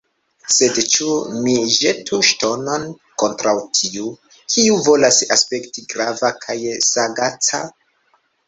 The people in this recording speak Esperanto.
Sed ĉu ni ĵetu ŝtonon kontraŭ tiu, kiu volas aspekti grava kaj sagaca?